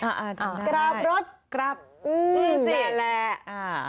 กราบรถนั่นแหละ